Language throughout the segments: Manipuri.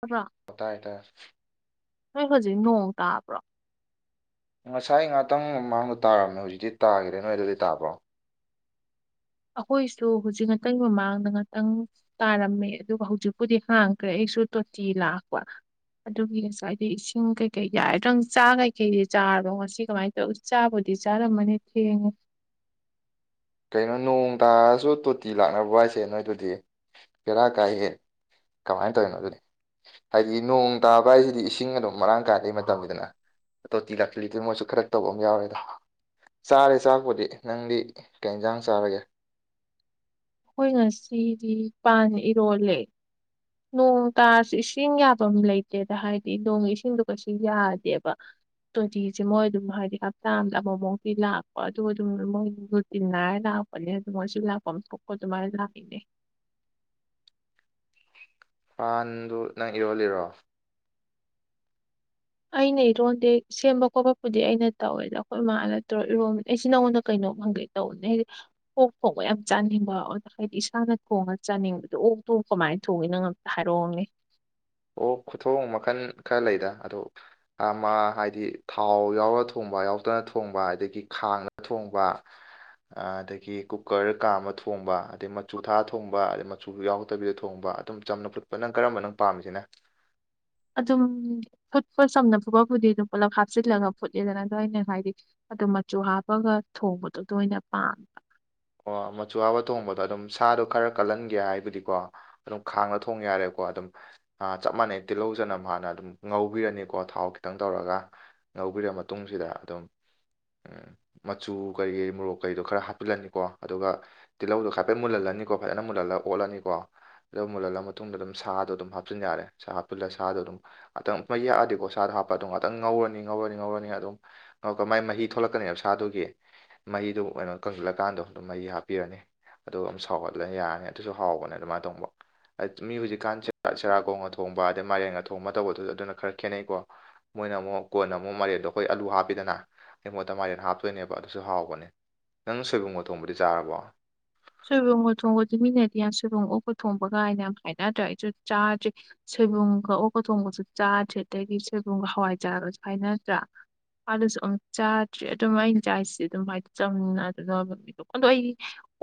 ꯇꯥꯕ꯭ꯔꯣ ꯀꯠꯇ ꯑꯦꯇꯥ ꯅꯣꯏ ꯍꯧꯖꯤꯛ ꯅꯣꯡ ꯇꯥꯕ꯭ꯔꯣ ꯉꯁꯥꯏ ꯉꯥꯛꯇꯪ ꯃꯃꯥꯡꯗ ꯇꯥꯔꯝꯃꯦ ꯍꯧꯖꯤꯛꯇꯤ ꯇꯥꯈꯤꯔꯦ ꯅꯣꯏꯗꯗꯤ ꯇꯥꯕ꯭ꯔꯣ ꯑꯩꯈꯣꯏꯁꯨ ꯍꯧꯖꯤꯛ ꯉꯥꯛꯇꯪꯒꯤ ꯃꯃꯥꯡꯗ ꯉꯥꯛꯇꯪ ꯇꯥꯔꯝꯃꯦ ꯑꯗꯨꯒ ꯍꯧꯖꯤꯛꯄꯨꯗꯤ ꯍꯥꯡꯈ꯭ꯔꯦ ꯑꯩꯁꯨ ꯇꯣꯇꯤ ꯂꯥꯛꯄ ꯑꯗꯨꯒꯤ ꯉꯁꯥꯏꯗꯤ ꯏꯁꯤꯡ ꯀꯩꯀꯩ ꯌꯥꯔꯦꯗꯪ ꯆꯥ ꯀꯩꯀꯩꯗꯤ ꯆꯥꯔ ꯔꯕꯣ ꯉꯁꯤ ꯀꯃꯥꯏꯅ ꯇꯧꯏ ꯆꯥꯕꯨꯗꯤ ꯆꯥꯔꯝꯃꯅꯤ ꯊꯦꯡꯉꯦ ꯀꯩꯅꯣ ꯅꯣꯡ ꯇꯥꯔꯁꯨ ꯇꯣꯇꯤ ꯂꯥꯛꯅꯕ ꯍꯥꯏꯁꯦ ꯅꯣꯏꯗꯨꯗꯤ ꯕꯦꯔꯥ ꯀꯥꯏꯍꯦ ꯀꯃꯥꯏꯅ ꯇꯧꯔꯤꯅꯣ ꯑꯗꯨꯗꯤ ꯍꯥꯏꯗꯤ ꯅꯣꯡ ꯇꯥꯕ ꯍꯥꯏꯁꯤꯗꯤ ꯏꯁꯤꯡ ꯑꯗꯨꯝ ꯃꯔꯥꯡ ꯀꯥꯏꯅꯏ ꯃꯇꯝꯗꯅ ꯇꯣꯇꯤ ꯂꯥꯛꯆꯔꯗꯤ ꯃꯣꯏꯁꯨ ꯈꯔ ꯇꯧꯕ ꯑꯃ ꯌꯥꯎꯔꯦꯗ ꯆꯥꯔꯦ ꯆꯥꯛꯄꯨꯗꯤ ꯅꯪꯗꯤ ꯀꯩ ꯏꯟꯖꯥꯡ ꯆꯥꯔꯒꯦ ꯑꯩꯈꯣꯏ ꯉꯁꯤꯗꯤ ꯄꯥꯟ ꯏꯔꯣꯜꯂꯦ ꯅꯣꯡ ꯇꯥꯔꯁꯨ ꯏꯁꯤꯡ ꯌꯥꯐꯝ ꯂꯩꯇꯦꯗ ꯍꯥꯏꯗꯤ ꯅꯣꯡꯒꯤ ꯏꯁꯤꯡꯗ ꯀꯩꯁꯨ ꯌꯥꯗꯦꯕ ꯇꯣꯇꯤꯁꯦ ꯃꯣꯏ ꯑꯗꯨꯝ ꯍꯥꯏꯗꯤ ꯍꯞꯇꯥ ꯑꯃꯗ ꯑꯃꯃꯨꯛꯇꯤ ꯂꯥꯛꯄ ꯑꯗꯨ ꯑꯗꯨꯝ ꯃꯣꯏ ꯇꯤ ꯂꯥꯏ ꯂꯥꯛꯄꯅꯦ ꯑꯗꯨ ꯃꯣꯏꯁꯨ ꯂꯥꯛꯄ ꯊꯣꯛꯄꯣ ꯑꯗꯨꯃꯥꯏꯅ ꯂꯥꯛꯏꯅꯦ ꯄꯥꯟꯗꯨ ꯅꯪ ꯏꯔꯣꯜꯂꯤꯔꯣ ꯑꯩꯅ ꯏꯔꯣꯟꯗꯦ ꯁꯦꯝꯕ ꯈꯣꯠꯄꯕꯨꯗꯤ ꯑꯩꯅ ꯇꯧꯋꯦ ꯑꯗꯣ ꯑꯩꯈꯣꯏ ꯏꯃꯥꯅ ꯅꯠꯇ꯭ꯔꯣ ꯏꯔꯣꯟꯕꯅꯦ ꯑꯩꯁ ꯅꯉꯣꯟꯗ ꯀꯩꯅꯣꯝ ꯈꯪꯒꯩ ꯇꯗꯤ ꯑꯣꯛ ꯊꯣꯡꯕ ꯌꯥꯝ ꯆꯥꯅꯤꯡꯕ ꯑꯗꯨꯗ ꯍꯥꯏꯗꯤ ꯏꯁꯥꯅ ꯊꯣꯡꯉ ꯆꯥꯅꯤꯡꯕꯗꯣ ꯑꯣꯛꯇꯨ ꯀꯃꯥꯏꯅ ꯊꯣꯡꯏꯤ ꯅꯪ ꯍꯥꯏꯔꯣꯅꯦ ꯑꯣ ꯈꯨꯊꯣ ꯃꯈꯜ ꯈꯔ ꯂꯩꯗ ꯑꯗꯣ ꯑꯃ ꯍꯥꯏꯗꯤ ꯊꯥꯎ ꯌꯥꯎꯔ ꯊꯣꯡꯕ ꯌꯥꯎꯗꯅ ꯊꯣꯡꯕ ꯑꯗꯒꯤ ꯈꯥꯡꯗ ꯊꯣꯡꯕ ꯑꯗꯒꯤ ꯀꯨꯀꯔ ꯀꯥꯝꯃꯒ ꯊꯣꯡꯕ ꯑꯗꯩ ꯃꯆꯨ ꯊꯥꯛꯑꯒ ꯊꯣꯡꯕ ꯑꯗꯩ ꯃꯆꯨ ꯌꯥꯎꯗꯕꯤꯗ ꯊꯣꯡꯕ ꯑꯗꯨꯝ ꯆꯝꯅ ꯐꯠꯄ ꯅꯪ ꯀꯔꯝꯕ ꯅꯣ ꯄꯥꯝꯃꯤꯁꯤꯅ ꯑꯗꯨꯝ ꯐꯨꯠꯄ ꯆꯝꯅ ꯐꯨꯠꯄꯄꯨꯗꯤ ꯑꯗꯨꯝ ꯄꯨꯂꯞ ꯍꯥꯞꯆꯤꯜꯂꯒ ꯐꯨꯠꯂꯤꯗꯅ ꯑꯗꯨꯗꯣ ꯑꯩꯅ ꯍꯥꯏꯗꯤ ꯑꯗꯨꯝ ꯃꯆꯨ ꯍꯥꯞꯄꯒ ꯊꯣꯡꯕꯗꯨ ꯑꯣꯏꯅ ꯄꯥꯝꯃꯦ ꯑꯣ ꯃꯆꯨ ꯍꯥꯞꯂꯒ ꯊꯣꯡꯕꯗꯣ ꯑꯗꯨꯝ ꯁꯥꯗꯣ ꯈꯔ ꯀꯜꯍꯟꯒꯦ ꯍꯥꯏꯕꯗꯤꯀꯣ ꯑꯗꯨꯝ ꯈꯥꯡꯗ ꯊꯣꯡ ꯌꯥꯔꯦꯀꯣ ꯑꯗꯨꯝ ꯑ ꯆꯞ ꯃꯥꯟꯅꯩ ꯇꯤꯜꯍꯧ ꯆꯅꯝ ꯍꯥꯟꯅ ꯑꯗꯨꯝ ꯉꯧꯕꯤꯔꯅꯤꯀꯣ ꯊꯥꯎ ꯈꯤꯇꯪ ꯇꯧꯔꯒ ꯉꯧꯕꯤꯔ ꯃꯇꯨꯡꯁꯤꯗ ꯑꯗꯨꯝ ꯎꯝ ꯃꯆꯨ ꯀꯔꯤ ꯀ ꯃꯣꯔꯣꯛ ꯀꯔꯤꯗꯣ ꯈꯔ ꯍꯥꯞꯆꯤꯜꯂꯅꯤ ꯀꯣ ꯑꯗꯨꯒ ꯇꯤꯜꯍꯧꯗꯣ ꯍꯥꯏꯐꯦꯠ ꯃꯨꯜꯍꯜꯂꯅꯤꯀꯣ ꯐꯖꯅ ꯃꯨꯜꯍꯜꯂꯒ ꯑꯣꯠꯂꯅꯤꯀꯣ ꯑꯗ ꯃꯨꯜꯍꯜꯂ ꯃꯇꯨꯡꯗ ꯑꯗꯨꯝ ꯁꯥꯗꯣ ꯑꯗꯨꯝ ꯍꯥꯞꯆꯤꯟ ꯌꯥꯔꯦ ꯁꯥ ꯍꯥꯞꯆꯤꯜꯂ ꯁꯥꯗꯣ ꯑꯗꯨꯝ ꯑꯇꯪ ꯃꯩꯌꯥꯛꯑꯗꯤ ꯀꯣ ꯁꯥꯗ ꯍꯥꯞꯄ ꯑꯗꯨꯝ ꯉꯍꯥꯛꯇ ꯉꯧꯔꯅꯤ ꯉꯧꯔꯅꯤ ꯉꯧꯔꯅꯤ ꯑꯗꯨꯝ ꯃꯥꯏ ꯃꯍꯤ ꯊꯣꯛꯂꯛꯀꯅꯤꯕ ꯁꯥꯥꯗꯨꯒꯤ ꯃꯍꯤꯗꯨ ꯀꯩꯅꯣ ꯀꯪꯁꯤꯜꯂꯀꯥꯟꯗꯣ ꯑꯗꯨꯝ ꯃꯍꯤ ꯍꯥꯞꯄꯤꯔꯅꯤ ꯑꯗꯨꯝ ꯁꯥꯎꯍꯟꯂꯦ ꯌꯥꯔꯅꯤ ꯑꯗꯨꯁꯨ ꯍꯥꯎꯕꯅꯦ ꯑꯗꯨꯃꯥꯏꯅ ꯇꯣꯡꯕ ꯃꯤ ꯍꯧꯖꯤꯛꯀꯥꯟ ꯆꯦꯔꯥꯒꯣꯡꯒ ꯊꯣꯡꯕ ꯑꯗꯩ ꯃꯥꯏꯔꯦꯟꯒ ꯊꯣꯡꯕ ꯇꯧꯕꯗꯨ ꯑꯗꯨꯅ ꯈꯔ ꯈꯦꯠꯅꯩꯀꯣ ꯃꯣꯏꯅ ꯑꯃꯨꯛ ꯀꯣꯟꯅ ꯑꯃꯨꯛ ꯃꯔꯦꯗꯣ ꯑꯩꯈꯣꯏ ꯑꯥꯂꯨ ꯍꯥꯞꯄꯤꯗꯅ ꯑꯩ ꯃꯣꯠꯇ ꯃꯥꯏꯔꯦꯟ ꯍꯥꯞꯇꯨꯏꯅꯦꯕ ꯑꯗꯨꯁꯨ ꯍꯥꯎꯕꯅꯦ ꯅꯪ ꯁꯣꯏꯕꯨꯝꯒ ꯊꯣꯡꯕꯗꯤ ꯆꯥꯔꯕꯣ ꯁꯣꯏꯕꯨꯝꯒ ꯊꯣꯡꯕꯗꯤ ꯃꯤꯅꯗꯤ ꯌꯥꯝ ꯁꯣꯏꯕꯨꯝꯒ ꯑꯣꯛꯀ ꯊꯣꯡꯕꯒꯥꯏꯅ ꯌꯥꯝ ꯍꯥꯏꯅꯗ꯭ꯔꯦ ꯑꯩꯁꯨ ꯆꯥꯗꫪꯤ ꯁꯣꯏꯕꯨꯝꯒ ꯑꯣꯛꯀ ꯊꯣꯡꯕꯁꯨ ꯆꯥꯗ꯭ꯔꯦ ꯑꯗꯒꯤ ꯁꯣꯏꯕꯨꯝꯒ ꯍꯋꯥꯏ ꯆꯥꯔꯁꯨ ꯍꯥꯏꯅꯗ꯭ꯔꯥ ꯑꯗꯨꯁꯨ ꯑꯃꯨꯛ ꯆꯥꯗ꯭꯭ꯔꯤ ꯑꯗꯨꯝ ꯑꯩꯅ ꯆꯥꯏꯁꯦ ꯑꯗꯨꯝ ꯍꯥꯏꯗꯤ ꯆꯝꯅ ꯑꯗꯨ ꯂꯕ [unintelligible] ꯃꯤ ꯑꯗꯣ ꯑꯩ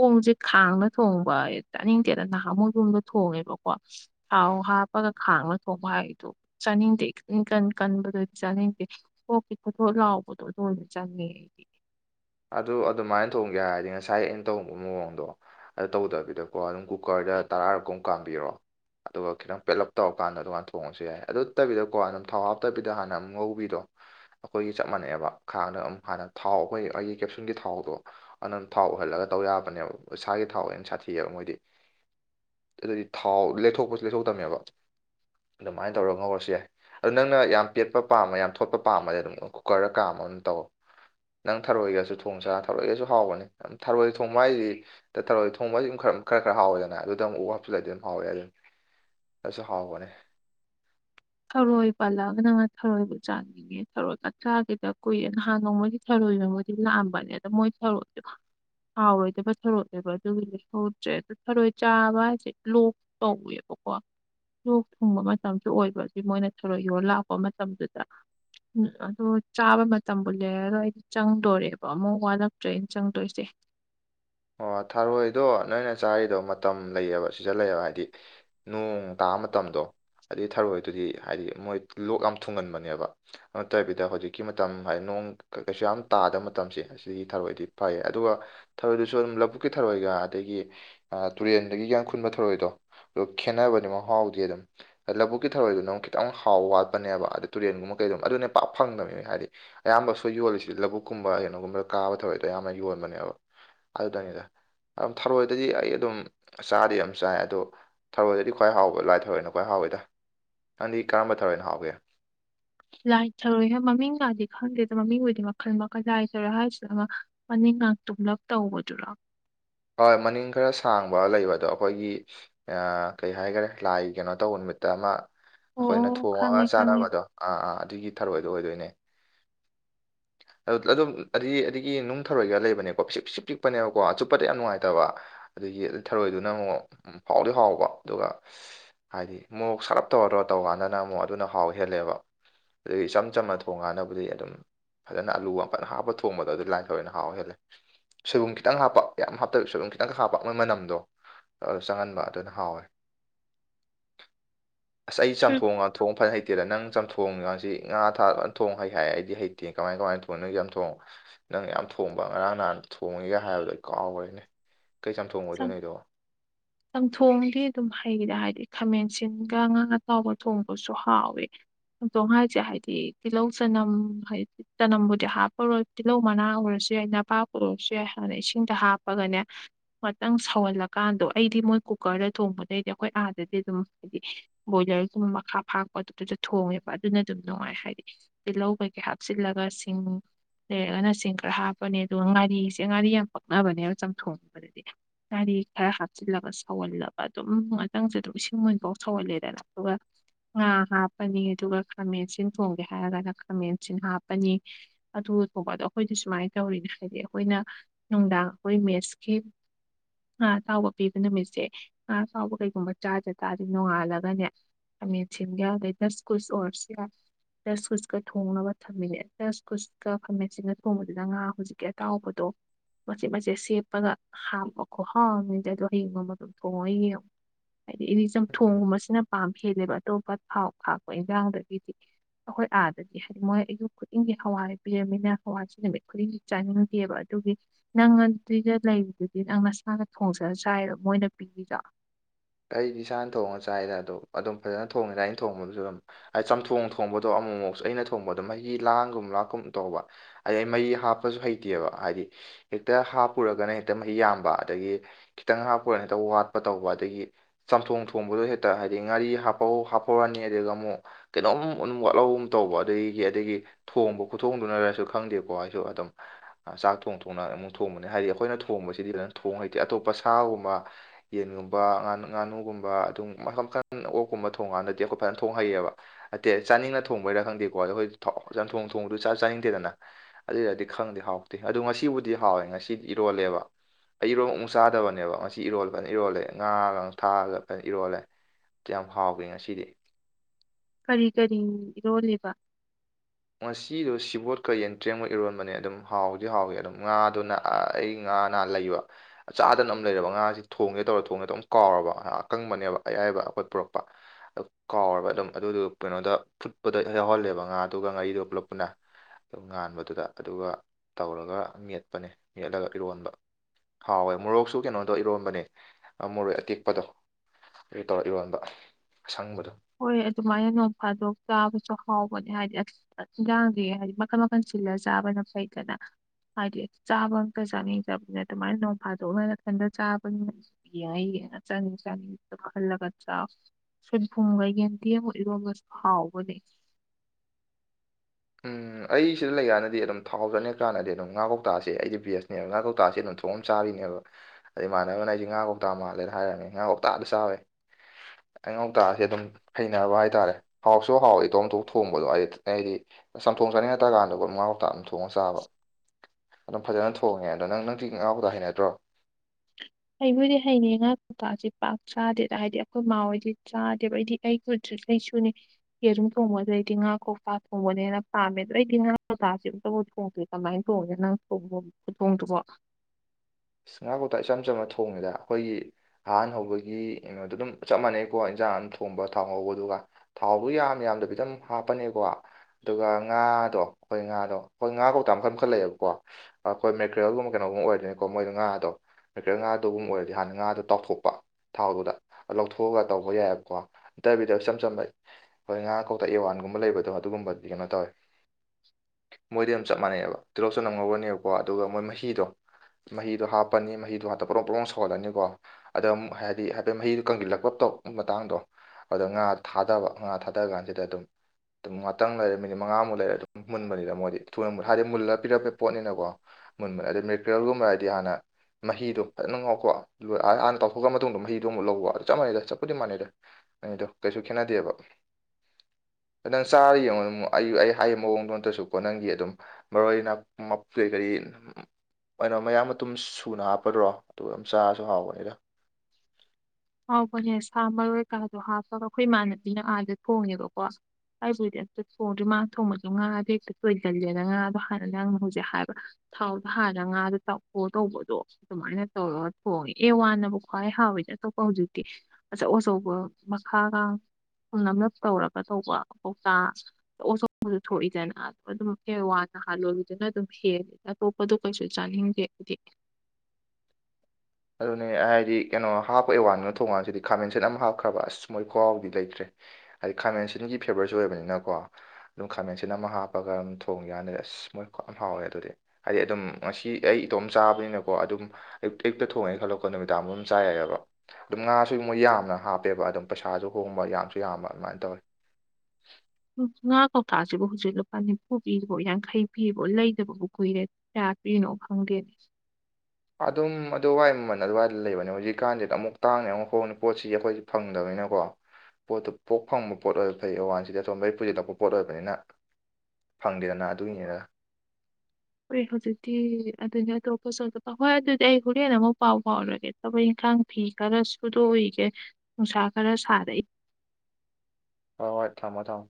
ꯑꯣꯛꯁꯦ ꯈꯥꯡꯅ ꯊꯣꯡꯕ ꯆꯥꯅꯤꯡꯇꯦꯗ ꯅꯍꯥꯟꯃꯨꯛ ꯌꯨꯝꯗ ꯊꯣꯡꯉꯦꯕꯀꯣ ꯊꯥꯎ ꯍꯥꯞꯄꯒ ꯈꯥꯡꯅ ꯊꯣꯡꯕ ꯍꯥꯏꯗꯣ ꯆꯥꯅꯤꯡꯗꯦ ꯏꯀꯥꯟ ꯀꯟꯕꯗꯣ ꯆꯥꯅꯤꯡꯗꯦ ꯑꯣꯛꯀꯤ ꯊꯣꯠꯊꯣꯠ ꯂꯥꯎꯕꯗꯣ ꯂꯣꯏꯅ ꯆꯪꯉꯦ ꯑꯩꯗꯤ ꯑꯗꯨ ꯑꯗꯨꯃꯥꯏꯅ ꯊꯣꯡꯒꯦ ꯍꯥꯏꯔꯗꯤ ꯉꯁꯥꯏ ꯑꯩꯅ ꯇꯣꯡꯕ ꯃꯑꯣꯡꯗꯣ ꯑꯗꯨ ꯇꯧꯗꯕꯤꯗ ꯀꯣ ꯑꯗꯨꯝ ꯀꯨꯀꯔꯗ ꯇꯔꯥꯔꯨꯛꯀꯨꯝ ꯀꯥꯝꯕꯤꯔꯣ ꯑꯗꯨꯒ ꯈꯤꯇꯪ ꯄꯦꯜꯂꯞ ꯇꯧꯔꯀꯥꯟꯗ ꯑꯗꯨꯅꯠꯇꯕꯤꯗ ꯀꯣꯟꯅ ꯊꯌꯥꯏ ꯍꯥꯞꯇꯕꯤꯗ ꯍꯥꯟꯅ ꯑꯃꯝ ꯉꯧꯕꯤꯗꯣ ꯑꯩꯈꯣꯏꯒꯤ ꯆꯞ ꯃꯥꯟꯅꯩꯑꯕ ꯈꯥꯡꯗ ꯑꯗꯨꯝ ꯍꯥꯟꯅ ꯊꯥꯎ ꯑꯩꯈꯣꯏ ꯑꯩꯒꯤ ꯀꯦꯞꯁꯨꯟꯒꯤ ꯊꯥꯎꯗꯣ ꯑꯅꯝ ꯊꯥꯎ ꯑꯣꯏꯍꯜꯂꯒ ꯇꯧ ꯌꯥꯕꯅꯦꯕ ꯏꯁꯥꯒꯤ ꯊꯥꯎ ꯍꯦ ꯑꯣꯏꯅ ꯁꯥꯊꯤꯑꯕ ꯃꯣꯏꯗꯤ ꯑꯗꯨꯗꯤ ꯊꯥꯎ ꯂꯩꯊꯣꯛꯄꯁꯨ ꯂꯩꯊꯣꯛꯇꯕꯃꯦꯕ ꯑꯗꯨꯃꯥꯏꯅ ꯇꯧꯔ ꯉꯧꯔꯁꯨ ꯌꯥꯏ ꯑꯗꯨꯗ ꯅꯪꯅ ꯌꯥꯝ ꯄꯦꯠꯄ ꯄꯥꯝꯕ ꯌꯥꯝ ꯊꯣꯠꯄ ꯄꯥꯝꯕꯗꯤ ꯑꯗꯨꯝ ꯀꯨꯀꯔꯗ ꯀꯥꯝꯕ ꯑꯗꯨꯝ ꯇꯧꯋ ꯅꯪ ꯊꯔꯣꯏꯒꯁꯨ ꯊꯣꯡꯁꯥ ꯊꯔꯣꯏꯒꯁꯨ ꯍꯥꯎꯕꯅꯤ ꯊꯔꯣꯏ ꯊꯣꯡꯕ ꯍꯥꯏꯁꯤꯗꯤ ꯇ ꯊꯧꯔꯣꯏ ꯊꯣꯡꯕꯁ ꯈꯔ ꯈꯔ ꯈꯔ ꯍꯥꯎꯋꯦꯗꯅ ꯑꯗꯨꯗ ꯑꯃꯨꯛ ꯎ ꯍꯥꯞꯆꯜꯂꯗꯤ ꯑꯗꯨꯝ ꯍꯥꯎꯋꯦ ꯑꯗꯨ ꯑꯗꯨꯁꯨ ꯍꯥꯎꯕꯅꯤ ꯊꯔꯣꯏ ꯄꯜꯂꯒ ꯅ ꯊꯔꯣꯏꯕꯨ ꯆꯥꯟ ꯀꯦ ꯁꯔꯣ ꯆꯥꯛ ꯆꯥꯒꯦꯗ ꯀꯨꯏꯔꯦ ꯅꯍꯥꯟ ꯅꯣꯡꯃꯣꯏꯗꯤ ꯊꯔꯣꯏꯕ ꯃꯣꯏꯗꯤ ꯂꯥꯛꯑꯝꯕꯅꯦ ꯑꯗ ꯃꯣꯏ ꯁꯔꯣꯁꯨ ꯍꯥꯎꯔꯣꯏꯗꯕ ꯊꯔꯣꯅꯦꯕ ꯑꯗꯨꯒꯤꯗꯤ ꯍꯧꯗ꯭ꯔꯦ ꯑꯗꯨ ꯊꯔꯣꯏ ꯆꯥꯕ ꯍꯥꯏꯁꯦ ꯂꯣꯛ ꯇꯧꯋꯦꯕꯀꯣ ꯂꯣꯛ ꯊꯨꯡꯕ ꯃꯇꯝꯁꯨ ꯑꯣꯏꯕꯁꯨ ꯃꯣꯏꯅ ꯊꯣꯔꯛ ꯌꯣ ꯂꯥꯛꯄ ꯃꯇꯝꯗꯨꯗ ꯑꯗꯣ ꯆꯥꯕ ꯃꯇꯝꯕꯨ ꯂꯩꯔꯦ ꯑꯗꯣ ꯑꯩꯗꯤ ꯆꯪꯗꯣꯔꯦꯕ ꯑꯃꯨꯛ ꯋꯥꯠꯂꯛꯇ꯭ꯔꯦ ꯑꯩꯅ ꯆꯪꯗꯣꯏꯁꯦ ꯑꯣ ꯊꯥꯔꯣꯏꯗꯣ ꯅꯣꯏꯅ ꯆꯥꯔꯤꯗꯣ ꯃꯇꯝ ꯂꯩꯌꯦꯕ ꯁꯤꯖꯜꯂꯑꯦꯕ ꯍꯥꯏꯗꯤ ꯅꯣꯡ ꯇꯥ ꯃꯇꯝꯗꯣ ꯑꯗꯨꯩ ꯊꯔꯣꯏꯗꯨꯗꯤ ꯍꯥꯏꯗꯤ ꯃꯣꯏ ꯂꯣꯛ ꯌꯥꯝ ꯊꯨꯡꯒꯟꯕꯅꯦꯕ ꯅꯠꯇꯕꯤꯗ ꯍꯧꯖꯤꯛꯀꯤ ꯃꯇꯝ ꯍꯥꯏꯗꯤ ꯅꯣꯡ ꯀꯩꯁꯨ ꯌꯥꯝ ꯇꯥꯗꯕ ꯃꯇꯝꯁꯦ ꯑꯁꯤꯒꯤ ꯊꯔꯣꯏꯗꯤ ꯐꯩꯌꯦ ꯑꯗꯨꯒ ꯊꯔꯣꯏꯗꯨꯁꯨ ꯑꯗꯨꯝ ꯂꯧꯕꯨꯛꯀꯤ ꯊꯔꯣꯏꯒ ꯑꯗꯒꯤ ꯇꯨꯔꯦꯟꯗꯒꯤ ꯌꯥꯡꯈꯨꯟꯕ ꯊꯧꯔꯛꯏꯗꯣ ꯑꯗ ꯈꯦꯠꯅꯕꯅꯤ ꯃꯍ ꯍꯥꯎꯗꯤ ꯑꯗꯨꯝ ꯑꯗ ꯂꯧꯕꯛꯀꯤ ꯊꯧꯔꯣꯏꯗꯨꯅ ꯑꯃꯨꯛ ꯈꯤꯇꯪꯛ ꯍꯥꯎ ꯋꯥꯠꯄꯅꯦꯕ ꯑꯗ ꯇꯨꯔꯦꯟꯒꯨꯝꯕ ꯀꯩꯗꯨꯝꯕ ꯑꯗꯨꯅꯦ ꯄꯥꯛ ꯐꯪꯗꯕꯅꯦ ꯍꯥꯏꯗꯤ ꯑꯌꯥꯝꯕ ꯁꯣꯏ ꯌꯣꯜꯂꯤꯁꯤ ꯂꯧꯕꯨꯛꯀꯨꯝꯕ ꯀꯩꯅꯣꯒꯨꯝꯕꯗ ꯀꯥꯕ ꯊꯧꯋꯏꯗꯣ ꯑꯌꯥꯝꯅ ꯌꯣꯟꯕꯅꯦꯕ ꯑꯗꯨꯗꯪꯅꯤꯗ ꯑꯗꯨꯝ ꯊꯔꯣꯏꯗꯗꯤ ꯑꯩ ꯑꯗꯨꯝ ꯆꯥꯗꯤ ꯌꯥꯝꯝ ꯆꯥꯏ ꯑꯗꯣ ꯊꯔꯣꯏꯗꯗꯤ ꯈ꯭ꯋꯥꯏ ꯍꯥꯎꯕ ꯂꯥꯏ ꯊꯔꯣꯏꯅ ꯈ꯭ꯋꯥꯏ ꯍꯥꯎꯋꯦꯗ ꯅꯪꯗꯤ ꯀꯔꯝꯕ ꯊꯔꯣꯏꯅꯣ ꯍꯥꯎꯒꯦ ꯂꯥꯏꯊꯔꯣꯏꯅ ꯃꯃꯤꯡ ꯀꯗꯤ ꯈꯪꯗꯦ ꯑꯗꯨꯗ ꯃꯃꯤꯡꯕꯨꯗꯤ ꯃꯈꯜ ꯃꯈꯜ ꯂꯥꯏꯊꯔ ꯍꯥꯏꯕꯁꯤꯗ ꯑꯃ ꯃꯅꯤꯡ ꯉꯥꯛꯇꯨꯝꯂꯞ ꯇꯧꯕꯗꯨꯔꯥ ꯍꯣꯏ ꯃꯅꯤꯡ ꯈꯔ ꯁꯥꯡꯕ ꯂꯩꯕ ꯑꯗꯣ ꯑꯩꯈꯣꯏꯒꯤ ꯀꯩ ꯍꯥꯏꯈꯔꯦ ꯂꯥꯏ ꯀꯩꯅꯣ ꯇꯧꯕ ꯅꯨꯃꯤꯠꯇ ꯑꯃ ꯑꯣ ꯑꯩꯈꯣꯏꯅ ꯑꯣ ꯊꯣꯡꯉꯒ ꯈꯪꯉꯦ ꯈꯪꯉꯦ ꯆꯥꯅꯕꯗꯣ ꯑꯥ ꯑꯥ ꯑꯗꯨꯒꯤ ꯊꯔꯣꯏꯗꯣ ꯑꯣꯏꯗꯣꯏꯅꯦ ꯑꯗꯨꯝꯗꯤ ꯑꯩꯒꯤ ꯅꯨꯡꯊꯔꯣꯏꯒ ꯂꯩꯕꯅꯦꯀꯣ ꯄꯤꯁꯤ ꯄꯤꯁꯤꯛ ꯄꯤꯛꯄꯅꯦꯕꯀꯣ ꯆꯨꯞꯄꯗ ꯌꯥꯝ ꯅꯨꯡꯉꯥꯏꯇꯕ ꯑꯗꯨꯗꯒꯤ ꯑꯗꯨ ꯊꯔꯣꯏꯗꯨꯅ ꯑꯃꯨꯛ ꯍꯥꯎꯗꯤ ꯍꯥꯎꯕ ꯑꯗꯨꯒ ꯍꯥꯏꯗꯤ ꯑꯃꯨꯛ ꯁꯔꯞ ꯇꯧꯔꯔꯣ ꯇꯧ ꯀꯥꯟꯗꯅ ꯑꯃꯨꯛ ꯑꯗꯨꯅ ꯍꯥꯎ ꯍꯦꯜꯂꯦꯕ ꯑꯗꯒꯤ ꯏꯆꯝ ꯆꯝꯅ ꯊꯣꯡꯉꯥꯟꯅꯕꯕꯨꯗꯤ ꯑꯗꯨꯝ ꯐꯖꯅ ꯑꯂꯨꯒꯐꯅ ꯍꯥꯞꯄ ꯊꯣꯡꯕꯗꯣ ꯑꯗꯨꯗꯤ ꯂꯥꯏꯟ ꯊꯣꯏꯅ ꯍꯥꯎ ꯍꯦꯜꯂꯦ ꯁꯣꯏꯕꯨꯝ ꯈꯤꯇꯪ ꯍꯥꯞꯄ ꯌꯥꯝ ꯍꯥꯞꯇꯕ ꯁꯣꯏꯕꯨꯝ ꯈꯤꯇꯪ ꯍꯥꯞꯄ ꯃꯣꯏ ꯃꯅꯝꯗꯣ ꯆꯪꯍꯟꯕ ꯑꯗꯨꯅ ꯍꯥꯎꯋꯦ [inaudible] ꯑꯁ ꯑꯩ ꯇ꯭ꯔꯤꯛ ꯆꯝꯊꯣꯡꯒ ꯊꯣꯡ ꯐꯖꯅ ꯍꯩꯇꯦꯗ ꯅꯪ ꯆꯝꯊꯣꯡꯒꯁꯤ ꯉꯥ ꯊꯥꯕꯅ ꯊꯣꯡ ꯍꯩ ꯍꯥꯏ ꯑꯩꯗꯤ ꯍ ꯇꯦꯡ ꯀꯃꯥꯏ ꯀꯃꯥꯏꯅ ꯊꯣꯡꯅꯣꯏ ꯌꯥꯝ ꯊꯣꯡꯉ ꯅꯪ ꯌꯥꯝ ꯊꯣꯡꯕ ꯉꯔꯥꯡ ꯅꯍꯥꯟ ꯊꯣꯡꯉꯤꯒ ꯍꯥꯏꯕꯗꯣ ꯑꯩ ꯀꯥꯎꯈ꯭ꯔꯦꯅꯦ ꯀꯩ ꯆꯥꯝꯊꯣꯡ ꯆꯪ ꯑꯣꯏꯗꯣꯏꯅꯣ ꯑꯩꯗꯣ ꯆꯝꯊꯣꯡꯗꯤ ꯑꯗꯨꯝ ꯍꯩꯗ ꯍꯥꯏꯗꯤ ꯈꯥꯃꯦꯟꯁꯤꯟꯒ ꯉꯥꯡ ꯑꯇꯥꯎꯕ ꯊꯣꯡꯕꯁꯨ ꯍꯥꯎꯋꯤ ꯑꯗꯣ ꯍꯥꯏꯁꯦ ꯍꯥꯏꯗꯤ ꯇꯤꯜꯍꯧ ꯆꯅꯝ ꯍꯥꯏꯗꯤ ꯇꯅꯝꯕꯨꯗꯤ ꯍꯥꯞꯄꯔꯣꯏ ꯇꯤꯜꯍꯧ ꯃꯅꯥ ꯑꯣꯏꯔꯁꯨ ꯌꯥꯏ ꯅꯄꯥꯛꯄꯨ ꯑꯣꯏꯔꯁꯨ ꯌꯥꯏ ꯑꯗꯨꯅ ꯏꯁꯤꯡꯗ ꯍꯥꯞꯄꯒꯅꯦ ꯉꯥꯛꯇꯪ ꯁꯧꯍꯜꯂꯀꯥꯟꯗꯣ ꯑꯩꯗꯤ ꯃꯣꯏ ꯀꯨꯀꯔꯗ ꯊꯣꯡꯕꯗꯩꯗꯤ ꯑꯩꯈꯣꯏ ꯑꯥꯗꯗꯤ ꯑꯗꯨꯝ ꯍꯥꯏꯗꯤ ꯕꯣꯏꯂꯔꯒꯨꯝꯕ ꯃꯈꯥ ꯐꯥꯛꯄ ꯑꯗꯨ ꯑꯗꯨꯗ ꯊꯣꯡꯉꯦꯕ ꯑꯗꯨꯅ ꯑꯗꯨꯝ ꯅꯨꯡꯉꯥꯏ ꯍꯥꯏꯗꯤ ꯇꯤꯜꯍꯧ ꯀꯩꯀꯩ ꯍꯥꯞꯆꯤꯜꯂꯒ ꯁꯤꯡ ꯂꯩꯔꯒꯅꯁꯤꯡ ꯈꯔ ꯍꯥꯞꯄꯅꯦ ꯑꯗꯨꯒ ꯉꯥꯔꯤꯁꯦ ꯉꯥꯔꯤ ꯌꯥꯝ ꯄꯛꯅꯕꯅꯦꯕ ꯆꯝꯊꯣꯡꯕꯗꯗꯤ ꯉꯥꯔꯤ ꯈꯔ ꯍꯥꯞꯆꯤꯜꯂꯒ ꯁꯧꯍꯜꯂꯕ ꯑꯗꯨꯝ ꯉꯇꯪꯁꯨ ꯑꯗꯨꯝ ꯏꯁꯤꯡ ꯃꯣꯏꯟꯐꯥꯎ ꯁꯧꯍꯜꯂꯦꯗꯅ ꯋꯥ ꯍꯥꯞꯄꯅꯤ ꯑꯗꯨꯒ ꯈꯥꯃꯦꯟ ꯑꯁꯤꯟ ꯊꯣꯡꯒꯦ ꯍꯥꯏꯔꯒꯅ ꯈꯥꯃꯦꯟ ꯑꯁꯤꯟ ꯍꯥꯞꯄꯅꯤ ꯑꯗꯨ ꯊꯣꯛꯄ ꯑꯗꯣ ꯑꯩꯈꯣꯏꯗꯤ ꯁꯨꯃꯥꯏꯅ ꯇꯧꯔꯤꯅꯦ ꯍꯥꯏꯗꯤ ꯑꯩꯈꯣꯏꯅ ꯅꯨꯡꯗꯥꯡ ꯑꯩꯈꯣꯏ ꯃꯦꯠꯁꯀꯤ ꯑ ꯑꯇꯕ ꯄꯤꯕ ꯅꯨꯃꯤꯠꯁꯦ ꯑ ꯑꯇꯥꯎꯕ ꯀꯩꯒꯨꯝꯕ ꯆꯥꯗ ꯇꯥꯗꯤꯦ ꯅꯣꯡꯉꯥꯜꯂꯒꯅꯦ ꯑ ꯖꯤꯒꯌꯥꯗ ꯏ ꯅꯁꯀꯨꯁ ꯑꯣꯔꯁꯤ ꯌꯥ ꯗꯁ ꯀꯨꯋꯁꯀ ꯊꯣꯡꯅꯕ ꯊꯝꯃꯤꯅꯦ ꯗꯁ ꯀꯨꯋꯁꯀ ꯐꯃꯦꯁꯤꯒ ꯊꯣꯡꯕꯕꯁꯤꯅ ꯉꯥ ꯍꯧꯖꯤꯛꯀꯤ ꯑꯇꯥꯎꯕꯗꯣ ꯃꯆꯦꯠ ꯃꯆꯦꯠ ꯁꯦꯠꯄꯒ ꯍꯥꯃ ꯈꯣ ꯍꯥꯎꯅꯤꯗ ꯑꯗꯣ ꯍꯌꯦꯒꯨꯝ ꯑꯃ ꯑꯗꯨꯝ ꯊꯣꯡꯉꯒ ꯌꯦꯡꯉꯣ ꯍꯥꯏꯗꯤ ꯏꯅꯤ ꯆꯝꯊꯣꯡꯒꯨꯝꯕꯁꯤꯅ ꯄꯥꯝ ꯍꯦꯜꯂꯦꯕ ꯑꯇꯣꯞꯄ ꯊꯥꯎ ꯈꯥꯛꯄ ꯏꯟꯖꯥꯡꯗꯒꯤꯗꯤ ꯑꯩꯈꯣꯏ ꯑꯥꯗꯗꯤ ꯍꯥꯏꯗꯤ ꯃꯣꯏ ꯑꯌꯨꯛ ꯈꯨꯗꯤꯡꯒꯤ ꯍꯋꯥꯏ ꯄꯤꯔꯝꯃꯤꯅ ꯍꯋꯥꯏ ꯁꯤꯖꯤꯟꯅꯃꯤꯠ ꯈꯨꯗꯤꯡꯒꯤ ꯆꯥꯅꯤꯡꯗꯑꯕ ꯑꯗꯨꯒꯤ ꯅꯪ ꯑꯗꯨꯏꯗ ꯂꯩꯔꯤꯗꯨ ꯑꯗꯨ ꯅꯪ ꯅꯁꯥꯅ ꯊꯣꯡꯁꯔ ꯆꯥꯏꯕ ꯃꯣꯏꯅ ꯄꯤꯔꯤꯗꯣ ꯑꯩꯗꯤ ꯏꯁꯥꯅ ꯊꯣꯡꯉꯒ ꯆꯥꯏꯗ ꯑꯗꯣ ꯑꯗꯨꯝ ꯐꯖꯅ ꯊꯣꯡꯉꯤꯗꯥꯥꯏꯅ ꯊꯣꯡꯕꯗꯨꯁꯨ ꯑꯗꯨꯝ ꯍꯥꯏ ꯆꯝꯊꯣꯡ ꯊꯣꯡꯕꯗꯣ ꯑꯃꯨꯛꯃꯨꯛ ꯑꯩꯅ ꯊꯣꯡꯕꯗꯣ ꯃꯩꯒꯤ ꯂꯥꯡꯒꯨꯝ ꯂꯥꯛꯀꯨꯝ ꯇꯧꯕ ꯍꯥꯏꯗꯩ ꯑꯩ ꯃꯩꯤ ꯍꯥꯞꯄꯁꯨ ꯍꯩꯇꯦꯕ ꯍꯥꯏꯗꯤ ꯍꯦꯛꯇ ꯍꯥꯞꯄꯨꯔꯒꯅ ꯍꯦꯛꯇ ꯃꯍꯤ ꯌꯥꯝꯕ ꯑꯗꯒꯤ ꯈꯤꯇꯪ ꯍꯥꯞꯄꯒꯅ ꯍꯦꯇ ꯋꯥꯠꯄ ꯇꯧꯕ ꯑꯗꯒꯤ ꯆꯝꯊꯣꯡ ꯊꯣꯡꯕꯗꯣ ꯍꯦꯛꯇ ꯍꯥꯏꯗꯤ ꯉꯥꯔꯤ ꯍꯥꯄ ꯍꯥꯞꯍꯧꯔꯅꯤ ꯑꯗꯨꯒ ꯑꯃꯨꯛ ꯀꯩꯅꯣꯝ ꯑꯗꯨꯝ ꯋꯥꯠꯍꯧ ꯇꯧꯕ ꯑꯗꯒꯤ ꯑꯗꯒꯤ ꯊꯣꯡꯕ ꯈꯨꯠꯊꯣꯡꯗꯨꯅꯔꯁꯨ ꯈꯪꯗꯦꯀꯣ ꯑꯩꯁꯨ ꯑꯗꯨꯝ ꯆꯥꯛ ꯊꯣꯡ ꯊ ꯑꯃꯨꯛ ꯊꯣꯡꯕꯅꯦ ꯍꯥꯏꯗꯤ ꯑꯩꯈꯣꯏꯅ ꯊꯣꯡꯕꯁꯤꯗꯤ ꯂꯖꯅ ꯊꯣꯡ ꯍꯩꯇꯦ ꯑꯇꯣꯞꯄ ꯁꯥꯒꯨꯝꯕ ꯌꯦꯟꯒꯨꯝꯕ ꯉꯅ ꯉꯥꯅꯨꯒꯨꯝꯕ ꯑꯗꯨꯝ ꯃꯈꯜ ꯃꯈꯜ ꯑꯣꯛꯀꯨꯝꯕ ꯊꯣꯡꯀꯥꯟꯗꯗꯤ ꯑꯩꯈꯣꯏ ꯐꯖꯅ ꯊꯣꯡꯍꯩꯌꯦꯕ ꯑꯠꯇꯦ ꯆꯥꯅꯤꯡꯅ ꯊꯣꯡꯕꯩꯔꯥ ꯈꯪꯗꯦꯀꯣ ꯑ ꯑꯩꯈꯣꯏ ꯊ ꯊꯣꯡ ꯊꯣꯡꯗꯨ ꯆꯥ ꯆꯥꯅꯤꯡꯗꯦꯗꯅ ꯑꯗꯨꯏꯗꯗꯤ ꯈꯪꯗꯦ ꯍꯥꯎꯇꯦ ꯑꯗꯨꯣ ꯉꯁꯤꯕꯨꯗꯤ ꯍꯥꯎꯋꯦ ꯉꯁꯤꯗꯤ ꯏꯔꯣꯜꯂꯦꯕ ꯑꯩ ꯏꯔꯣꯜ ꯑꯃꯨꯛ ꯆꯥꯗꯕꯅꯦꯕ ꯉꯁꯤ ꯏꯔꯣꯜ ꯐꯅ ꯏꯔꯣꯜꯂꯦ ꯉꯥꯒ ꯊꯥꯅ ꯏꯔꯣꯜꯂꯦ ꯌꯥꯝ ꯍꯥꯎꯈꯤ ꯉꯁꯤꯗꯤ ꯀꯔꯤ ꯀꯔꯤ ꯏꯔꯣꯜꯂꯤꯕ ꯉꯁꯤꯗꯨꯣ ꯁꯤꯕꯣꯠꯀ ꯌꯦꯟꯇ꯭ꯔꯦꯡꯕ ꯏꯔꯣꯟꯕꯅꯦ ꯑꯗꯨꯝ ꯍꯥꯎꯗꯤ ꯍꯥꯎꯏ ꯑꯗꯨꯝ ꯉꯥꯗꯨꯅ ꯑꯩ ꯉꯥ ꯅꯍꯥꯟ ꯂꯩꯕ ꯑ ꯆꯥꯗꯅ ꯑꯃꯝ ꯂꯩꯔꯕ ꯉꯥꯁꯤ ꯊꯣꯡꯒꯦ ꯇꯧꯔ ꯊꯣꯡꯉꯦ ꯇ ꯑꯗꯨꯝ ꯀꯥꯎꯔꯕ ꯑꯀꯪꯕꯅꯦꯕ ꯑꯌꯥꯏꯕ ꯑꯩꯈꯣꯠ ꯄꯨꯔꯛꯄ ꯀꯥꯎꯔꯕ ꯑꯗꯨꯝ ꯑꯗꯨꯗꯨ ꯀꯩꯅꯣꯗ ꯐꯨꯠꯄꯗ ꯌꯥꯎꯍꯜꯂꯦꯕ ꯉꯥꯗꯨꯒ ꯉꯥꯔꯤꯗꯨꯒ ꯄꯨꯂꯞꯄꯅ ꯑꯗꯨ ꯉꯥꯟꯕꯗꯨꯗ ꯑꯗꯨꯒ ꯇꯧꯔꯒ ꯃꯦꯠꯄꯅꯦ ꯃꯦꯠꯂꯒ ꯏꯔꯣꯟꯕ ꯍꯥꯎꯋꯏ ꯃꯣꯔꯣꯛꯁꯨ ꯀꯩꯅꯣꯗꯣ ꯏꯔꯣꯟꯝꯕꯅꯦ ꯃꯣꯔꯣꯏ ꯑꯇꯦꯛꯄꯗꯣ ꯑꯗꯨ ꯇꯧꯔ ꯏꯔꯣꯟꯕ ꯑꯁꯪꯕꯗꯣ ꯍꯣꯏ ꯑꯗꯨꯃꯥꯏꯅ ꯅꯣꯡ ꯐꯥꯗꯣꯛ ꯆꯥꯕꯁꯨ ꯍꯥꯎꯕꯅꯦ ꯍꯥꯏꯗꯤ ꯑꯁ ꯌꯥꯥꯡꯒꯤ ꯍꯥꯏꯗꯤ ꯃꯈꯟ ꯃꯈꯟ ꯁꯤꯜꯂꯒ ꯆꯥꯕꯅ ꯐꯩꯗꯅ ꯍꯥꯏꯗꯤ ꯆꯥꯕ ꯑꯝꯇ ꯆꯪꯉꯤ ꯆꯥꯕꯅꯤꯅ ꯑꯗꯨꯃꯥꯏꯅ ꯅꯣꯡ ꯐꯥꯗꯣꯛꯅ ꯅꯥꯀꯟꯗ ꯆꯥꯕꯅꯤꯅ ꯌꯥꯏ ꯑ ꯆꯅꯤ ꯆꯅꯤ ꯍꯜꯂꯒ ꯆ ꯄꯨꯡꯒꯩꯒꯟꯇꯤ ꯑꯃꯨꯛ ꯏꯔꯣꯟꯒꯁꯨ ꯍꯥꯎꯕꯅꯦ ꯎꯝ ꯑꯩꯁꯤꯗ ꯂꯩꯀꯥꯟꯗꯗꯤ ꯑꯗꯨꯝ ꯊꯥꯎ ꯆꯠꯅꯤ ꯀꯥꯟꯗꯗꯤ ꯑꯗꯨꯝ ꯉꯥ ꯀꯧꯇꯥꯥꯁꯦ ꯑꯩꯗꯤ ꯕꯦꯁꯅꯦꯕ ꯉꯥ ꯀꯧꯇꯥꯥꯁꯦ ꯑꯗꯨꯝ ꯊꯣꯛꯑꯝ ꯆꯥꯔꯤꯅꯦꯕ ꯑꯗꯨꯩ ꯏꯥꯟꯅꯕꯅ ꯑꯩꯁꯦ ꯉꯥ ꯀꯧꯇꯥ ꯃꯥꯜꯂꯦꯅ ꯍꯥꯏꯔꯝꯃꯤ ꯉꯥ ꯀꯧꯇꯥꯗ ꯆꯥꯎꯋꯦ ꯑꯩꯉꯧꯇꯥꯥꯁꯦ ꯑꯗꯨꯝ ꯍꯩꯅꯕ ꯍꯥꯏꯇꯥꯔꯦ ꯍꯥꯎꯁꯨ ꯍꯥꯎ ꯏꯇꯣ ꯑꯃꯝꯇꯣꯛ ꯊꯣꯡꯕꯗꯣ ꯍꯥꯏꯗꯤ ꯑꯩꯗꯤ ꯑꯁ ꯆꯝꯊꯣꯡ ꯆꯥꯅꯤꯡꯉ ꯇ ꯀꯥꯟꯗꯀꯣ ꯑꯗꯨꯝ ꯉꯥꯔꯣꯛꯇ ꯑꯗꯨꯝ ꯊꯣꯡꯉꯒ ꯆꯥꯕ ꯑꯗꯨꯝ ꯐꯖꯅ ꯊꯣꯡꯉꯦ ꯑꯗꯣ ꯅꯪ ꯅꯪꯗꯤꯤ ꯉꯥꯎꯕꯗ ꯍꯥꯏꯅꯗ꯭ꯔꯣ ꯑꯩꯕꯨꯗꯤ ꯍꯩꯅꯦ ꯉꯥꯛ ꯀꯀꯁꯤꯦ ꯄꯥꯛ ꯆꯥꯗꯦꯗ ꯍꯥꯏꯗꯤ ꯑꯩꯈꯣꯏ ꯃꯥꯃꯥ ꯍꯣꯏꯗꯤ ꯆꯥꯗꯦꯕ ꯑꯩꯗꯤ ꯑꯩ ꯈꯨ ꯑꯩꯁꯨꯅꯦ ꯌꯦ ꯑꯗꯨꯨꯝ ꯊꯣꯡꯕ ꯑꯗꯨ ꯑꯩꯗꯤ ꯉꯥ ꯈꯧꯇꯥ ꯊꯣꯡꯕꯅꯦꯅ ꯄꯥꯝꯃꯦ ꯑꯗꯣ ꯑꯩꯗꯤ ꯉꯥ ꯀꯧꯇꯥꯁꯤ ꯊꯣꯡꯗꯦ ꯀꯃꯥꯏꯅ ꯇꯧꯒꯦꯅꯪ ꯊ ꯈꯨꯊꯣꯡꯗꯨꯕ ꯉꯥꯀꯧꯇ ꯏꯆꯝ ꯆꯝꯅ ꯊꯣꯡꯉꯦꯗ ꯑꯩꯈꯣꯏꯒꯤ ꯑꯍꯥꯟ ꯍꯧꯕꯒꯤ ꯀꯩꯅꯣꯗꯣ ꯑꯗꯨꯝ ꯆꯞ ꯃꯥꯟꯅꯩꯀꯣ ꯏꯟꯖꯥꯡ ꯑꯗꯨ ꯊꯣꯡꯕ ꯊꯥꯎ ꯍꯧꯕꯗꯨꯒ ꯊꯥꯎꯗꯨ ꯌꯥꯝ ꯌꯥꯝꯗ ꯈꯤꯇꯪ ꯍꯥꯞꯄꯅꯦꯀꯣ ꯑꯗꯨꯒ ꯉꯥꯗꯣ ꯑꯩꯈꯣꯏ ꯉꯥꯗꯣ ꯑꯩꯈꯣꯏ ꯉꯥ ꯀꯧꯇꯥ ꯃꯈ ꯃꯈꯟꯈꯠꯂꯛꯑꯦꯕꯀꯣ ꯑꯩꯈꯣꯏ ꯃꯦꯇꯔꯤꯌꯦꯜꯒꯨꯝꯕ ꯀꯩꯅꯣꯒꯨꯝꯕ ꯑꯣꯏꯗꯣꯏꯅꯤꯀꯣ ꯃꯣꯏꯗꯣ ꯉꯥ ꯑꯗꯣ ꯍꯥꯏꯐꯦꯠ ꯉꯥꯗꯨꯒꯨꯝ ꯑꯣꯏꯔꯗꯤ ꯍꯥꯟꯅ ꯉꯥꯗꯣ ꯇꯥꯎꯊꯣꯛꯄ ꯊꯥꯎꯗꯨꯗ ꯂꯧꯊꯣꯛꯑꯒ ꯇꯧꯕ ꯌꯥꯏꯑꯕꯀꯣ ꯑꯕꯤꯗ ꯏꯆꯝ ꯆꯝꯕ ꯍꯣꯏ ꯉꯥ ꯀꯧꯇ ꯑꯦ ꯋꯥꯟꯒꯨꯝꯕ ꯂꯩꯕꯗꯣ ꯑꯗꯨꯒꯨꯝꯕꯗꯤ ꯀꯩꯅꯣ ꯇꯧꯋꯦ ꯃꯣꯏꯗꯤ ꯑꯗꯨꯝ ꯆꯞ ꯃꯥꯟꯅꯩꯑꯕ ꯇꯤꯂꯧ ꯆꯅꯝ ꯉꯧꯔꯅꯦꯕꯀꯣ ꯑꯗꯨꯒ ꯃꯣꯏ ꯃꯍꯤꯗꯣ ꯃꯍꯤꯗꯣ ꯍꯥꯞꯄꯅꯤ ꯃꯍꯤꯗꯣ ꯍꯥꯞꯇ ꯍꯇ ꯕ꯭ꯔꯣꯡ ꯕ꯭ꯔꯣꯡ ꯁꯧꯍꯜꯂꯅꯤꯀꯣ ꯑꯗ ꯑꯃꯨꯛ ꯍꯥꯏꯗꯤ ꯍꯥꯏꯐꯦꯠ ꯃꯍꯤꯗꯨꯣ ꯀꯪꯁꯤꯜꯂꯛꯄ ꯇꯧ ꯃꯇꯥꯡꯗꯣ ꯑꯗ ꯉꯥ ꯊꯥꯗꯕ ꯉꯥ ꯊꯥꯗ ꯀꯥꯟꯁꯤꯗ ꯑꯗꯨꯝ ꯑꯗꯨꯝ ꯉꯥꯛꯇꯪ ꯂꯩꯔꯦ ꯃꯤꯅꯤꯠ ꯃꯉꯥꯃꯨꯛ ꯂꯩꯔꯦ ꯑꯗꯨꯝ ꯃꯨꯟꯕꯅꯤꯅ ꯃꯣꯏꯗꯤ ꯊꯨ ꯍꯥꯏꯗꯤ ꯃꯨꯟꯂ ꯄꯤꯔꯛꯄ ꯄꯣꯠꯅꯤꯅꯀꯣ ꯃꯨꯟꯕꯅꯦ ꯑꯗ ꯃꯦꯀꯔꯤꯜꯒꯨꯝꯕ ꯍꯥꯏꯗꯤ ꯗꯤ ꯍꯅ ꯃꯍꯤꯗꯣ ꯐꯖꯅ ꯉꯥꯎꯀꯣ ꯍꯥꯟꯅ ꯇꯥꯎꯊꯣꯛꯈ꯭ꯔ ꯃꯇꯨꯡꯗꯣ ꯃꯍꯤꯗꯣ ꯑꯃꯨꯛ ꯂꯧꯕ ꯑꯗꯨꯗ ꯆꯞ ꯃꯥꯟꯅꯩꯗ ꯆꯠꯄꯨꯗꯤ ꯃꯥꯟꯅꯩꯗ ꯑꯩꯗꯣ ꯀꯩꯁꯨ ꯈꯦꯠꯅꯗꯦꯕ ꯅꯪ ꯆꯥꯔ ꯌꯦꯡꯉꯣ ꯑꯩ ꯑꯩ ꯍꯥꯏ ꯃꯑꯣꯡꯗꯣ ꯑꯝꯇꯁꯨꯀꯣ ꯅꯪꯒꯤ ꯑꯗꯨꯝ ꯃꯔꯣꯏ ꯅ [unintelligible] ꯃꯣꯏꯅ ꯃꯌꯥꯝꯃ ꯑꯗꯨꯝ ꯁꯨꯅ ꯍꯥꯞꯄꯗꯣ ꯑꯗꯨꯒ ꯆꯥꯔꯁꯨ ꯍꯥꯎꯕꯅꯤꯗ ꯍꯥꯎꯕꯅꯦ ꯁꯥ ꯃꯔꯣꯏ ꯀꯥꯗꯣ ꯍꯥꯞꯄꯒ ꯑꯩꯈꯣꯏ ꯏꯃꯥꯟꯅꯕꯤꯅ ꯑꯥꯗ ꯊꯣꯡꯉꯦꯕꯀꯣ ꯑꯩꯕꯨꯗꯤ ꯑꯝꯇ ꯊꯣꯡꯗ꯭ꯔꯤ ꯃꯥ ꯊꯣꯡꯕꯁꯨ ꯉꯥ ꯑꯗꯨ ꯍꯦꯛꯇ ꯇꯣꯏꯒꯜꯂꯦꯅ ꯉꯥ ꯑꯗꯣ ꯍꯥꯟꯅ ꯅꯪ ꯍꯧꯖꯤꯛ ꯍꯥꯏꯕ ꯊꯥꯎꯗ ꯍꯥꯟꯅ ꯉꯥꯗꯣ ꯇꯥꯎꯊꯣꯛꯑ ꯇꯧꯕꯗꯣ ꯑꯗꯨꯃꯥꯏꯅ ꯇꯧꯔꯒ ꯊꯣꯡꯉꯦ ꯑꯦ ꯋꯥꯅꯕꯨ ꯈ꯭ꯋꯥꯏ ꯍꯥꯎꯋꯤꯗ ꯄꯥ ꯍꯧꯖꯤꯛꯇꯤ ꯑꯆꯧ ꯑꯆꯧꯕ ꯃꯈꯥꯒ ꯊꯨꯝ ꯅꯝꯂꯞ ꯇꯧꯔꯒ ꯇꯧꯕ ꯀꯧꯇ ꯑꯆꯧ ꯑꯆꯧꯕ ꯁꯨ ꯊꯣꯛꯏꯗꯅ ꯑꯗꯨꯝ ꯑꯦ ꯋꯥꯜ ꯅ ꯍꯥꯜꯅ ꯌꯣꯜꯂꯤꯗꯨꯅ ꯑꯗꯨꯝ ꯍꯦꯜꯂꯤ ꯑꯇꯣꯞꯄꯗꯣ ꯀꯩꯁꯨ ꯆꯥꯅꯤꯡꯗꯦ ꯑꯩꯗꯤ ꯑꯗꯨꯅꯦ ꯍꯥꯏꯗꯤ ꯀꯩꯅꯣ ꯍꯥꯞꯄꯏ ꯋꯥꯅꯣ ꯊꯣꯡꯒꯥꯟꯁꯤꯗꯤ ꯈꯥꯃꯦꯟ ꯁꯤꯟꯕ ꯑꯃ ꯍꯥꯞꯈ꯭ꯔꯕ ꯑꯁ ꯃꯣꯏ ꯈꯨꯍꯥꯎꯗꯤ ꯂꯩꯇ꯭ꯔꯦ ꯍꯥꯏꯗꯤ ꯈꯥꯃꯦꯟ ꯑꯁꯤꯟꯕꯒꯤ ꯐ꯭ꯂꯦꯕꯔꯁꯨ ꯑꯣꯏꯕꯅꯤꯅꯀꯣ ꯑꯗꯨꯝ ꯈꯥꯃꯦꯟꯁꯤꯟ ꯑꯃ ꯍꯥꯞꯄꯒ ꯑꯗꯨꯝ ꯊꯣꯡꯒꯦ ꯌꯥꯅꯤꯗꯤ ꯑꯁ ꯃꯣꯏ ꯈ꯭ꯋꯥ ꯍꯥꯎꯋꯦ ꯑꯗꯨꯗꯤ ꯍꯥꯏꯗꯤ ꯑꯗꯨꯝ ꯉꯁꯤ ꯑꯩ ꯏꯇꯣꯝ ꯆꯥꯕꯅꯤꯅꯀꯣ ꯑꯗꯨꯝꯌ ꯎꯛꯇ ꯊꯣꯡꯉꯦꯈꯜꯂꯣ ꯅꯨꯃꯤꯗꯥꯡ ꯕꯨꯛ ꯗꯨꯝ ꯆꯥ ꯌꯥꯏꯑꯦꯕ ꯑꯗꯨꯝ ꯉꯥꯁꯨ ꯃꯣꯏ ꯌꯥꯝꯅ ꯍꯥꯞꯄꯦꯕ ꯑꯗꯨꯝ ꯄꯩꯁꯥꯁꯨ ꯍꯣꯡꯕ ꯌꯥꯝꯁꯨ ꯌꯥꯝꯕ ꯑꯗꯨꯃꯥꯏꯅ ꯇꯧꯋꯦ ꯉꯥ ꯀꯧꯇꯥꯁꯤꯕꯨ ꯍꯧꯖꯤꯛ ꯂꯨꯄꯥ ꯅꯤꯐꯨ ꯄꯤꯔꯤꯕꯣ ꯌꯥꯡꯈꯩ ꯄꯤꯔꯤꯕꯣ ꯂꯩꯗꯕꯕꯨ ꯀꯨꯏꯔꯦ ꯌ ꯄꯤꯅꯣ ꯈꯪꯗꯦꯅꯦ ꯑꯗꯨꯝ ꯑꯗꯨꯋꯥꯏ ꯃꯃꯜ ꯑꯗꯨꯋꯥꯏꯗ ꯂꯩꯕꯅꯦ ꯍꯧꯖꯤꯛꯀꯥꯟꯁꯤꯗ ꯑꯃꯨꯛ ꯇꯥꯡꯉꯦ ꯑꯃꯨꯛ ꯍꯣꯡꯉꯦ ꯄꯣꯠꯁꯤ ꯑꯩꯈꯣꯏꯁ ꯐꯪꯗꯕꯅꯤꯅꯀꯣ ꯄꯣꯠꯇꯨ ꯄꯣꯛ ꯐꯪꯕ ꯄꯣꯠ ꯑꯣꯏꯕ ꯐꯩ ꯑꯋꯥꯟꯁꯤꯗꯤ ꯑꯇꯣꯝ ꯃꯔꯤ ꯄꯨꯁꯤꯜꯂꯛꯄ ꯄꯣꯠ ꯑꯣꯏꯕꯅꯤꯅ ꯐꯪꯗꯦꯗꯅ ꯑꯗꯨꯏꯅꯦꯗ ꯍꯣꯏ ꯍꯧꯖꯤꯛꯇꯤ ꯑꯗꯨꯅꯦ ꯑꯇꯣꯞꯄꯁꯨ ꯍꯣꯏ ꯑꯗꯨꯗꯤ ꯑꯩ ꯍꯣꯔꯦꯟ ꯑꯃꯨꯛ ꯄꯥꯎ ꯐꯥꯎꯔꯒꯦ ꯊꯕꯛ ꯏꯪꯈꯥꯡ ꯐꯤ ꯈꯔ ꯁꯨꯗꯣꯛꯎꯒꯦ ꯅꯨꯡꯁꯥ ꯈꯔ ꯁꯥꯔꯛꯏ ꯍꯣꯏ ꯍꯣꯏ ꯊꯝꯃꯣ ꯊꯝꯃꯣ